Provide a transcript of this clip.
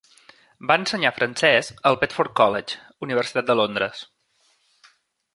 Va ensenyar francès al Bedford College, Universitat de Londres.